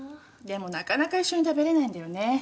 でもなかなか一緒に食べれないんだよね。